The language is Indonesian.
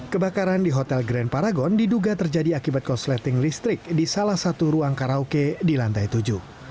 kebakaran di hotel grand paragon diduga terjadi akibat korsleting listrik di salah satu ruang karaoke di lantai tujuh